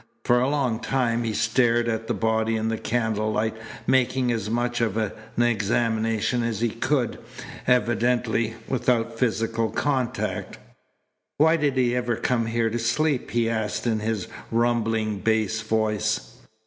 For a long time he stared at the body in the candle light, making as much of an examination as he could, evidently, without physical contact. "Why did he ever come here to sleep?" he asked in his rumbling bass voice.